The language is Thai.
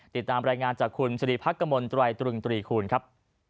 ติดตามรายงานจากคุณสิริพักกมลตรายตรึงตรีคูณครับ